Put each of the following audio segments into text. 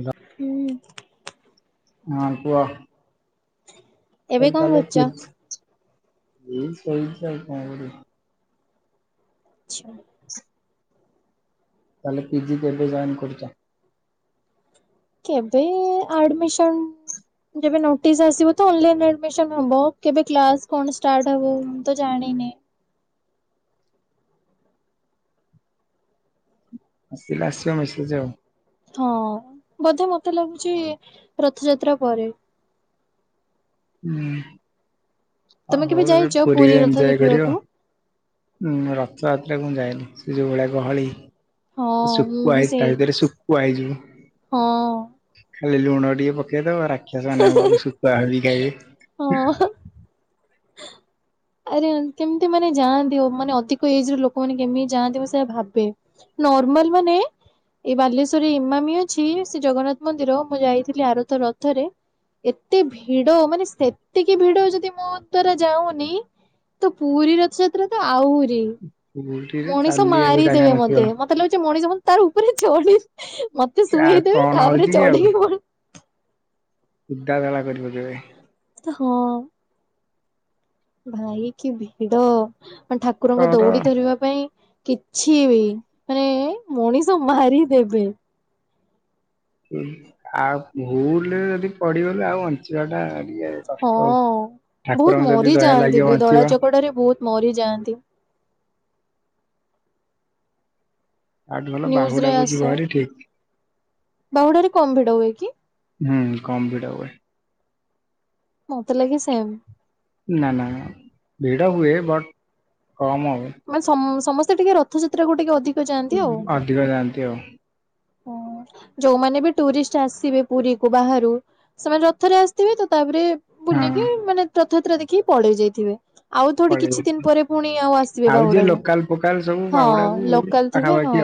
ଯା ହୁଁ। ହଁ କୁହ। ଏବେ କହିଲି କଣ ତାହେଲେ କରୁଛ? କିର୍ ଏଇ ଶୋଇଛି ଆଉ କଣ କରିବି। ଛା ତାହେଲେ ପି ଜି କେବେ ଜଏନ୍ କରୁଚ। କେବେ ଆଡମିସନ୍ ଯେବେ ନୋଟିସ୍ ଆସିବ ତ ଅନଲାଇନ୍ ଆଡମିସନ୍ ହବ। କେବେ କ୍ଲାସ୍ କଣ ଷ୍ଟାର୍ଟ ହବ ମୁଁ ତ ଜାଣିନି। ଆସିଲେ ଆସିବ ମେସେଜ୍। ହଁ ବୋଧେ ମୋତେ ଲାଗୁଛି ରଥଯାତ୍ରା ପରେ। ହୁଁ। ତୋମେ କେବେ ହଉ ଏବେ ଯାଇଚ ପୁରୀ ରଥ ଦେଖିବାକୁ? ଉଁ, ରଥଯାତ୍ରା କୁ ମୁଁ ଯାଏନି, ସେ ଯୋଉ ଭଳିଆ ଗହଳି ହଁ ମୁଁ ଶୁକୁଆ ବି ହେଇ ସେଇ ତା ଭିତରେ ଶୁ କୁଆ ହେଇଯିବୁ। ହଁ। ଖାଲି ଲୁଣ ଟିକେ ପକେଇଦବ ରାକ୍ଷସ ମାନେ ଆମକୁ ଶୁକୁଆ ଭାବି ଖାଇବେ। ହଁ। ଆରେ ଆନ୍ କେମିତି ମାନେ ଯାଆନ୍ତିି ଅ, ମାନେ ଅଧିକ ଏଜ୍ ର ଲୋକମାନେ କେମିତି ଯାଆନ୍ତି ମୁଁ ସେୟା ଭାବେ। ନର୍ମାଲ୍ ମାନେ ଏଇ ବାଲେଶ୍ଵରରେ ଇମାମି ଅଛି, ସେ ଜଗନ୍ନାଥ ମନ୍ଦିର ମୁଁ ଯାଇଥିଲି ଆର ଥର ରଥରେ। ଏତେ ଭିଡ ମାନେ ସେତିକି ଭିଡ ଯଦି ମୋ ଦ୍ଵାରା ଯାଉନି। ତ ପୁରୀ ରଥଯାତ୍ରା ତ ଆହୁରି, ପୁରୀରେ ମଣିଷ ଚାଲିବାକୁ ଜାଗା ମାରିଦେବେ ନଥିବ। ମୋତେ। ମୋତ ତେ ଲାଗୁଚି ମଣିଷ ମ- ତାର ଉପରେ ଚଢି ମୋତେ ଆଉ ଶୁଏଇଦେବେ କଣ ହଉଛି ତାପରେ ଚଢିକି ପଳ ଉଦାବେଳା କରି ପକେଇବେ। ଏ ହଁ। ଭାଇ କି ଭିଡ ମାନେ ଠାକୁରଙ୍କ ତମର ଦୌଡି ଧରିବା ପାଇଁ କି ଛି ମାନେ ମଣିଷ ମାରିଦେବେ। ଏ ଆଉ ଭୁଲରେ ଯଦି ପଡିଗଲେ ଆଉ ବଞ୍ଚିବା ଟା ଟିକେ ହଁ କଷ୍ଟ ଆଉ। ବହୁତ ଠାକୁରଙ୍କ ଯଦି ଦୟା ମରିଯାଆନ୍ତି ଲାଗିବ ବି ଧଳା ବଞ୍ଚିବ ଚକଟାରେ ବହୁତ ମରିଯାଆନ୍ତି ଆଠୁ ଭଲ ନ୍ୟୁଜରେ ବାହୁଡାକୁ ଯିବ ଆସେ ଭାରି ଠିକ ବାହୁଡାରେ କମ ଭିଡ ହୁଏ କି? ହୁଁ କମ୍ ଭିଡ ହୁଏ। ମତେ ଲାଗେ ସେମ୍ ନା ନା ଭିଡ଼ ହୁଏ ବଟ୍ କମ ହୁଏ। ମାନେ ସମ ସମସ୍ତେ ଟିକେ ରଥଯାତ୍ରାକୁ ଟିକେ ଅଧିକ ଯାଆନ୍ତି ଅଧିକ ଯାଆନ୍ତି ଆଉ। ହଁ ଯୋଉମାନେ ବି ଟୁରିଷ୍ଟ ଆସିବେ ପୁରୀ କ ବାହାରୁ ସେମାନେ ରଥରେ ଆସିଥିବେ ତ ତାପରେ ହଁ ବୁଲିକି ମାନେ ରଥଯାତ୍ରା ଦେଖିକି ପଳେଇ ଯାଇଥିବେ ଆଉ ଥୋଡି ପଳେଇବେ। କିଛି ଦିନ ପରେ ପୁଣି ଆଉ ଆସିବେ ଯିଏ ବାହୁଡାକୁ ଲୋକାଲ ଫୋକାଲ ସବୁ ହଁ ବାହୁଡାକୁ ଲୋକାଲ ଥିବେ ହଁ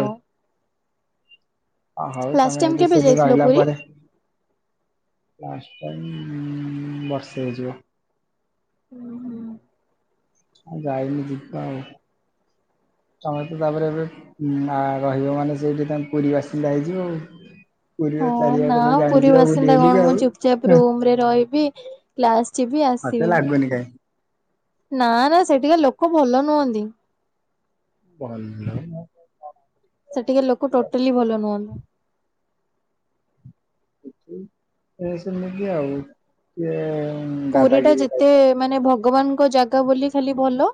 ହଁ ହଉ ଲାଷ୍ଟ ତମେ ଟାଇମ ଏଠି କେବେ [unintelligible] ସେ ଯାଇଥିଲ ରହିଲା ପୁରୀ? ପରେ ଲାଷ୍ଟ ଟାଇମ ବର୍ଷେ ହେଇଯିବ ହୁଁ ହୁଁ। ଆଉ ଯାଇନି ଦିବା ଆଉ ତମେ ତ ତାପରେ ଏବେ ରହିବ ମାନେ ସେଇଠି ତମେ ପୁରୀ ବାସିନ୍ଦା ହେଇଯିବ ଆଉ ହଁ ପୁରୀର ନା ଚାରିଆଡେ ସବୁ ପୁରୀ ଜାଣିଯିବ ବୁଲି ବାସିନ୍ଦା ବୁଲିକି କଣ ମୁଁ ଆଉ ଚୁପଚାପ ହୁଁ ରୁମରେ ରହିବି କ୍ଲାସ୍ ଯିବି ଆସିବି [unintelligible] ହୁନି କାଇଁ ନା ନା ସେଠିକା ଲୋକ ଭଲ ନୁହନ୍ତି ଭଲ ସେଠିକା ଲୋକ ଟୋଟାଲି ଭଲ ନୁହଁନ୍ତି। [unintelligible] ସେମିିକ ଆଉ ଯେ ପୁରୀ ଟା ଯେତେ ମାନେ ଭଗବାନ ଙ୍କ ଜାଗା ବୋଲି ଖାଲି ଭଲ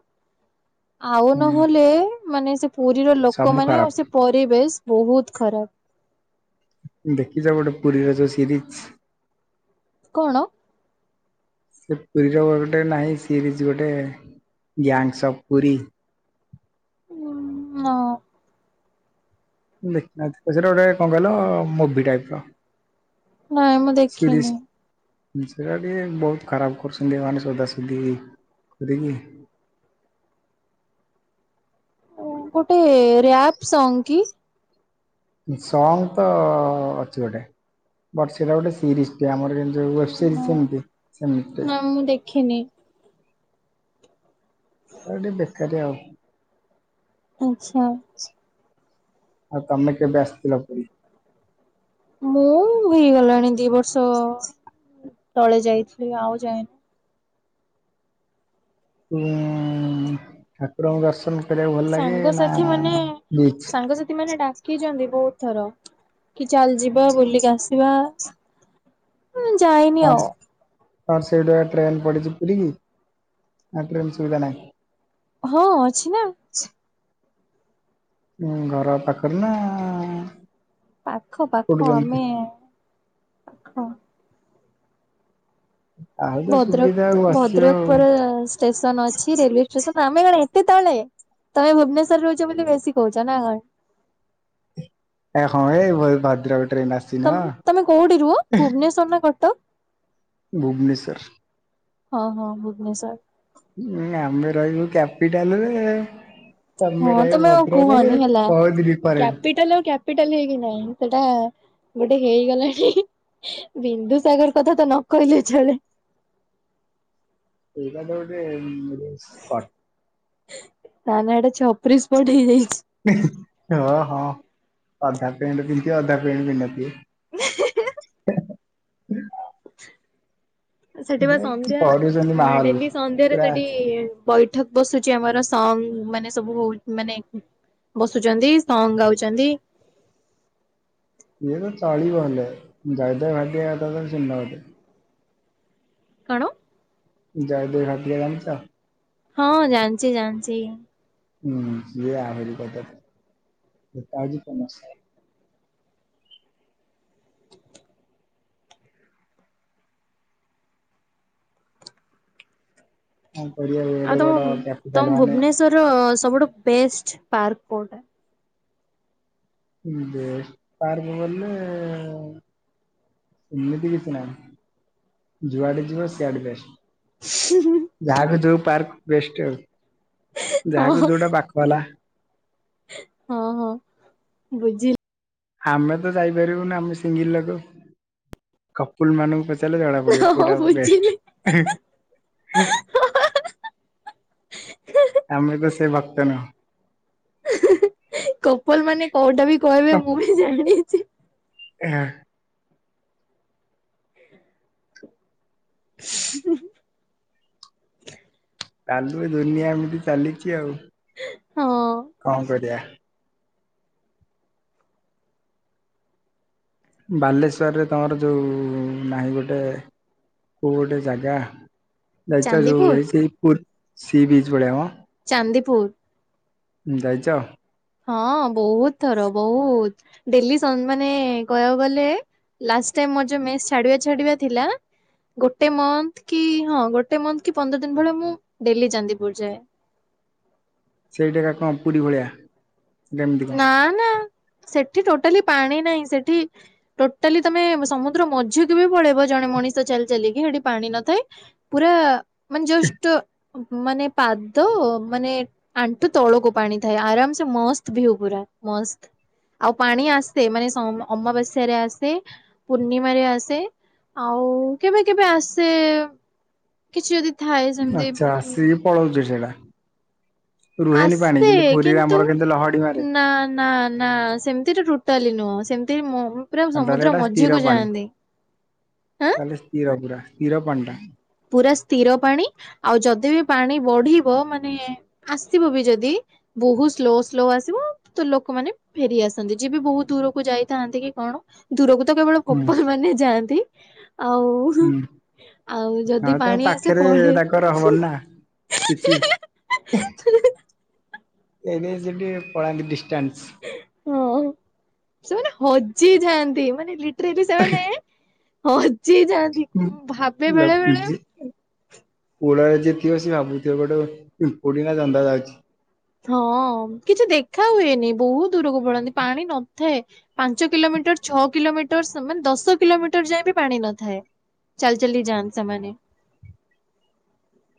ଆଉ ହୁଁ ନହେଲେ ମାନେ ପୁରୀର ସବୁ ଲୋକମାନେ ଆ ସେ ଖରାପ ପରିବେଶ ବହୁତ ଖରାପ ଦେଖିଛ ଗୋଟେ ପୁରୀର ଯୋଉ ସିରିଜ କଣ? ସେ ପୁରୀର ଗୋଟେ ନାହିଁ ସିରିଜ୍ ଗୋଟେ ଗ୍ୟାଙ୍ଗ୍ସ ଅଫ୍ ପୁରୀ। ମଁ ଦେଖନାହା ସେ ସେଟରେ ଗୋଟେ କଣ କହିଲ ମୁଭି ଟାଇପ ର ନାଇଁ ମୁଁ ସିରିଜ୍ ଦେଖିନି। ସେଟା ଟିକେ ବହୁତ ଖରାପ କରୁଛନ୍ତି ମାନେ ସୋଧା ସୋଧି ହେଈକି ଗୋଟେ ରିୟାପ୍ ସଙ୍ଗ କି? ସଙ୍ଗ ତ ଅଛି ଗୋଟେ ବଟ୍ ସେଇଟା ଗୋଟେ ସିରିଜ [unintelligible] ଆମରମ ଓ୍ୟେବ ସିରିଜ ସେମତି ସେମତି ନା ମୁଁ ଦେଖିନି ସେଟା ଟିକେ ବେକାରିଆ ଆଉ ଆଚ୍ଛା। ଆଉ ତମେ କେବେ ଆସିଥିଲ ପୁରୀ? ମୁଁ ହେଇଗଲାଣି ଦି ବର୍ଷ ତଳେ ଯାଇଥିଲି ଆଉ ଯାଏନି। ଉଁ ଠାକୁରଙ୍କୁ ଦର୍ଶନ କରିବାକୁ ଭଲ ଲାଗେ ନା ବିଚ୍? ସାଙ୍ଗ ସାଥି ମାନେ ଡାକିଛନ୍ତି ବହୁତ ଥର କି ଚାଲଯିବା ବୁଲିକି ଆସିବା ଯାଇନି ଆଉ ତର ସେଇଠୁ ଟ୍ରେନ ପଡିଛି ପୁରୀ କି ଟ୍ରେନ ସୁବିଧା ନାହିଁ? ହଁ ଅଛି ନା ଉଁ ଘର ପାଖରେ ନା ପାଖ କୋଉଠୁ ପାଖ କେମିତି? ଆମେ ହଁ ଆଉ ତ ସୁବିଧା ଆଉ ଭଦ୍ରକ ଆସିବ ଭଦ୍ରକ ଆଉ। ପରେ ଷ୍ଟେସନ ଅଛି ରେଲୱେ ଶେଷରେ ଆମେ କଣ ଏତେ ତଳେ ତମେ ଭୁବନେଶ୍ୱରରେ ରହୁଛ ବୋଲି ବେଶୀ କହୁଛ ନା କଣ। ଏ ହଁ ଏଇ ଭ ଭଦ୍ରକ ଟ୍ରେନ୍ ଆସ୍ ତମ୍ ତମେ କୋଉଠି ରୁହ ଭୁବନେଶ୍ଵର ନା କଟକ? ଭୁବନେଶ୍ୱର। ହଁ ହଁ ଭୁବନେଶ୍ୱର। ଉଁ ଆମେ ରହିବୁ କ୍ୟାପିଟାଲରେ-ଏ-ଏ। ହଁ ତମେ ଆଉ କୁହନି ହେଲା ବହୁତ ଡିଫରେଣ୍ଟ। କ୍ୟାପିଟାଲ ଆଉ କ୍ୟାପ୍ ପିଟାଲ ହେଇକି ନାହିଁ ସେଇଟା-ଆ ଗୋଟେ ହେଇଗଲାଣି ବିନ୍ଦୁ ସାଗର କଥା ତ ନ କହିଲେ ଚଳେ। ସେଇଟା ତ ଗୋଟେ-ଏ-ଏ-ଏ ଉ-ଉ-ଉ ସ୍ପଟ୍। ତା ନାଁ ଗୋଟେ ଛପ୍ରି ସ୍ପଟ ହେଇଯାଇଛି। ହଁ ହଁ ଅଧା ପେଣ୍ଟ ପିନ୍ଧିଥିବେ ଅଧା ପେଣ୍ଟ ପିନ୍ଧିନଥିବେ। [inaudible] ସେଠି ବା ସନ୍ଧ୍ୟା କରୁଛନ୍ତି ଅ ମାହୋଲ ଡେଲି ସନ୍ଧ୍ୟାରେ ପୁରା ସେଠି-ଇ-ଇ-ଇ ବୈଠକ ବସୁଛି ଆମର ସମ୍ ମାନେ ସବୁ-ଉ-ଉ ମାନେ ବସୁଛନ୍ତି ସଙ୍ଗ୍ ଗାଉଛନ୍ତି। ଇଏ ତ ଚଳିବ ହେଲେ ଜଇଦେବ ଭାଟିକା ତମେ ଚିହ୍ନିନ ବୋଧେ। କଣ? ଜୟଦେବ ଭାଟିକା ଜାଣିଛ? ହଁ ହଁ ଜାଣିଛି ଜାଣିଛି। ହୁଁ ସିଏ ଆହୁରି କର୍ଦ୍ୟଯ୍ୟ [unintelligible] ହଁ କରିବାକୁ ଏଡେ ବଡ କ୍ୟାପିଟାଲ ମାନେ ଶ୍ୱର-ଅ-ଅ ସବୁଠୁ ବେଷ୍ଟ ପାର୍କ କୋଉଟା? ବେଷ୍ଟ୍ ପାର୍କ ବୋଲେ-ଏ-ଏ ଏମିତି କିଛି ନାଇ ଯୁଆଡେ ଯିବ ସିଆଡେ ବେଷ୍ଟ। ହୁଁ। ଯାହାକୁ ଯଉ ପାର୍କ ବେଷ୍ଟ ଯାହାକୁ ହଁ ଯଉଟା ପାଖ ହେଲା। ହଁ ହଁ ବୁଝି ଆମେ ତ ଯାଇପାରିବୁନୁ ଆମେ ସିଙ୍ଗିଲ ଲୋକ କପୁଲ ମାନଙ୍କୁ ପଚାରିଲେ ଜଣା ପଡିବ ହଁ କୋଉଟା ବୁଝିଲି ବେଷ୍ଟ୍। ଆମେ ତ ସେ ଭକ୍ତ ନୁହଁ। କପଲ ମାନେ କୋଉଟା ବି କହିବେ ମୁଁ ବି ଜାଣିଦେଇଛି। ଏଁ ହୁ ହୁ ଚାଲୁ ଦୁନିଆ ଏମିତି ଚାଲିଛି ଆଉ ହଁ କଣ କରିଆ। ବାଲେଶ୍ଵରରେ ତମର ଯୋଉ-ଉ-ଉ-ଉ ନାହିଁ ଗୋଟେ କୋଉ ଗୋଟେ ଜାଗା ଯାଇଚ ଯଉ ଚାନ୍ଦିପୁର ଏଇ ସି ପୁର ସି ବିଚ୍ ଭଳିଆ ମ। ଚାନ୍ଦିପୁର। ଯାଇଛ? ହଁ ବହୁତ ଥର ବହୁ-ଉ-ଉ-ଉତ। ଡେଲି ସନ୍ ମାନେ-ଏ-ଏ କହିବାକୁ ଗଲେ ଲାଷ୍ଟ ଟାଇମ ମୋର୍ ଯଉ ମେସ୍ ଛାଡିବା ଛାଡିବା ଥିଲା। ଗୋଟେ ମନ୍ଥ କି ହଁ ଗୋଟେ ମନ୍ଥ କି ପନ୍ଦର ଦିନ ଭଳିଆ ମୁଁ ଡେଲି ଚାନ୍ଦିପୁର ଯାଏ। ସେଇ ଜାଗା କଣ ପୁରୀ ଭଳିଆ? ସେଟା କେମିତି କଣ? ନା ନା ସେଠି ଟୋଟାଲି ପାଣି ନାହିଁ ସେଠି ଟୋଟାଲି ତମେ ସମୁଦ୍ର ମଝି କୁ ବି ପଳେଇବ ଜଣେ ମଣିଷ ଚାଲି ଚାଲିକି ସେଠି ପାଣି ନଥାଏ। ପୁରା-ଆ-ଆ ମାନେ ଯଷ୍ଟ ମାନେ ପାଦ ମାନେ ଆଣ୍ଠୁ ତଳକୁ ପାଣି ଥାଏ ଆରାମସେ ମସ୍ତ ଭିଉ ପୁରା ମସ୍ତ। ଆଉ ପାଣି ଆସେ ମାନେ ସମ୍ ଅମାବାସ୍ୟ ରେ ଆସେ ପୂର୍ଣ୍ଣିମାରେ ଆସେ ଆଉ କେବେ କେବେ ଆସେ-ଏ-ଏ। କିଛି ଯଦି ଥାଏ ଆଚ୍ଛା ଆସିକି ପଳଉଛି ସେଇଟା। ରୁହେନି ପାଣି ଆସ୍ତେ ଯେମିତି ପୁରୀରେ କିନ୍ତୁ ଆମର କେମିତି ଲହଡି ମାରେ ନା ନା ନା। ସେମିତି ରେ ଟୋଟାଲି ନୁହଁ ସେମିତି ରେ ମ ମ ପୁରା ତାହେଲେ ସମୁଦ୍ର ଏଇଟା ସ୍ଥିର ମଝିକୁ ଯାଆନ୍ତି ଆଁ। ସ୍ତୀର ପୁରା ସ୍ତୀର ପାଣି ଟା। ପୁରା ସ୍ଥିର ପାଣି ଆଉ ଯଦି ବି ପାଣି ବଢିବ ମାନେ ଆସିବ ବି ଯଦି ବହୁତ ସ୍ଲୋ ସ୍ଲୋ ଆସିବ। ତ ଲୋକମାନେ ଫେରିଆସନ୍ତି ଯିଏ ବି ବହୁତ ଦୂରକୁ ଯାଇଥାନ୍ତି କି କଣ। ଦୂରକୁ ତ କେବଳ ହୁଁ କପଲ ମାନେ ଯାଆନ୍ତି ଆଉ ହୁଁ। ଆଉ ହଁ ଯଦି ତାଙ୍କ ପାଣି ଆସେ ପାଖରେ ପଳେ ତାଙ୍କର ହବନି ନା କିଛି ଏବେ ସେଠି ପଳାନ୍ତି ଡିଷ୍ଟାନ୍ସ। ହଁ ସେମାନେ ହଜି ଯାଆନ୍ତି ମାନେ ଲିଟରାଲି ସେମାନେ ହଜି ଯାଆନ୍ତି ମୁଁ ଭାବେ ବେଳେ ବେଳେ କୁଳରେ ଯିଏ ଥିବେ ସେ ଭାବୁଥିବେ ଗୋଟେ ପିଁପୁଡ଼ି ନା ଜନ୍ଦା ଯାଉଛି। ହଁ କିଛି ଦେଖା ହୁଏନି ବହୁତ ଦୂରକୁ ପଳନ୍ତି ପାଣି ନଥାଏ। ପାଞ୍ଚ କିଲୋମିଟର ଛଅ କିଲୋମିଟର ସମାନେ ଦଶ କିଲୋମିଟର ଯାଏ ବି ପାଣି ନଥାଏ। ଚାଲ ଚାଲି ଯାଆନ୍ତି ସେମାନେ।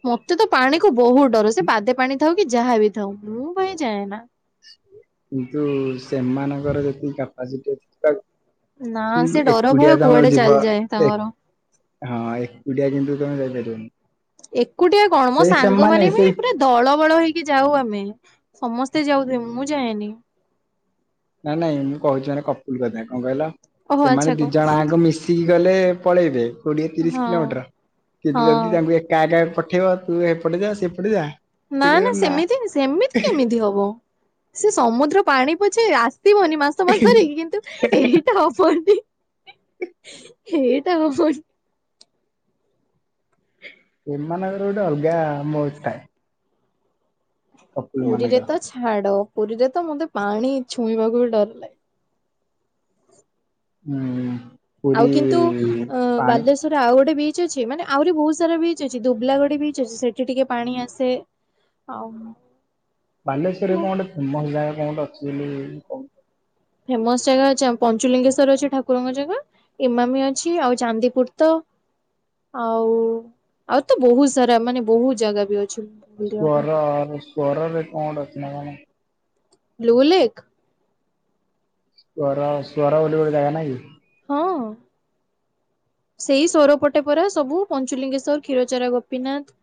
ମତେ ତ ପାଣି କୁ ବହୁତ ଡର ସେ ପାଦେ ପାଣି ଥାଉ କି ଯାହା ବିି ଥାଉ ମୁଁ ଭାଇ ଯାଏନା। କିନ୍ତୁ ସେମାନଙ୍କର ଯେତିକି କାପାସିଟି ତକ୍ ନା ସେ ହୁଁ ଡର ଭୟ ଏକୁଟିଆ କୁଆଡେ ତମର ଯିବ ଚାଲିଯାଏ ଏ ତାଙ୍କର। ହଁ ଏକୁଟିଆ କିନ୍ତୁ ତମେ ଯାଇପାରିବନି। ଏକୁଟିଆ କଣ ମୋ ସେଇ ସାଙ୍ଗ ସେମାନେ ମାନ ବି ସେଇ ପୁରା ଦଳ ବଳ ହେଇକି ଯାଉ ଆମେ ସମସ୍ତେ ଯାଉ ଥିବେ ମୁଁ ଯାଏନି। ନାଇଁ ନାଇଁ ମୁଁ କହୁଛିି ମାନେ କପୁଲ କଥା କଣ କହିଲ ଓହୋ ଆଚ୍ଛା ସେମାନେ ଦି କହ ଜଣ ଆଙ୍କ ମିଶି ଶିକି ଗଲେ ପଳେଇବେ କୋଡିଏ ତିରିଶ ହଁ। କିଲୋମିଟର କିନ୍ତୁ ହଁ ଯଦି ତାଙ୍କୁ ଏ କା କା କୁ ପଠେଇବ ତୁ ଏପଟେ ସେପଟେ ଯା ନା ସେ ନା କହିବେ ସେମିତି ସେମିତି କେମିତି ହବ। ସେ ସମୁଦ୍ର ପାଣି ପୋଛେ ଆସିବନି ମାସ ମାସ ଧରିକି କିନ୍ତୁ ଏହେ ଟା ହବନି ଏଇଟା ହବନି। ସେମାନଙ୍କର ଗୋଟେ ଅଲଗା ମୋଜ୍ ଥାଏ। କପିଲ ପୁରୀରେ ମାନଙ୍କର ତ ଛାଡ ପୁରୀରେ ତ ମୋତେ ପାଣି ଛୁଇଁବାକୁ ବି ଡର ଲାଗେ। ହୁଁ। ଆଉ କିନ୍ତୁ ଅ ବାଲେଶ୍ଵର ରେ ଆଉ ଗୋଟେ ବିଚ୍ ଅଛି ମାନେ ଆହୁରି ବହୁତ ସାରା ବିଚ୍ ଅଛି ଦୁବଲାଗଡି ବିଚ୍ ଅଛି ସେଠି ଟିକେ ପାଣି ଆସେ ଆଉ ବାଲେଶ୍ବରରେ କଣ ଗୋଟେ ଫେମସ ଜାଗା କଣ ଗୋଟେ ଅଛି ବୋଲି ଫେମସ ଜାଗା ଅଛି ଆମ ପଞ୍ଚୁଲିଙ୍ଗେଶ୍ଵର ଅଛି ଠାକୁରଙ୍କ ଜାଗା। ଇମାମି ଅଛି ଆଉ ଚାନ୍ଦିପୁର ତ ଆଉ ଆଉ ତ ବହୁତ ସାରା ମାନେ ବହୁତ ଜାଗା ବି ଅଛି। ବୁଲିବା ପାଇଁ ସ୍ଵର ସ୍ଵର ରେ କଣ ଗୋଟେ ଅଛି ନା କଣ। ଲୁ ଲେକ୍। ସ୍ବର ସ୍ବର ବୋଲି ଗୋଟେ ଯାଗା ନାଇ କି। ହଁ। ସେଇ ସୋରପଟେ ପରା ସବୁ ପଞ୍ଚୁଲିଙ୍ଗେଶ୍ୱର କ୍ଷୀରଚରା ଗୋପୀନାଥ।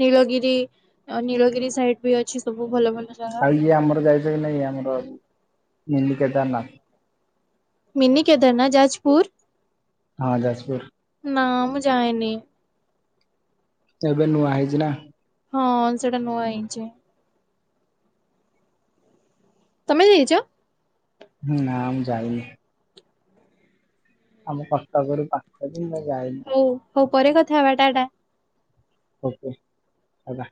ନୀଳଗିରି ଆଉ ନୀଳଗିରି ସାଇଡ୍ ବି ଅଛି ସବୁ ଭଲ ଭଲ ଜାଗା। ଆଉ ଇଏ ଆମର ଯାଇଛ କି ନାଇଁ ଆମର ମିନି କେଦାରନାଥ। ମିନି କେଦାରନାଥ ଯାଜପୁର। ହଁ ଯାଜପୁର। ନାଁ ମୁଁ ଯାଏନି। ଏବେ ନୂଆ ହେଇଚି ନା? ହଁ ସେଇଟା ନୂଆ ହେଇଚି। ତମେ ଯାଇଚ? ନା ମୁଁ ଯାଇନି। ଆମ କଟକରୁ ପାଖ ଯେ ମୁଁ ଯାଇନି। ହଉ ହଉ ପରେ କଥା ହବା ଟା ଟା। ଓକେ ଟା ଟା।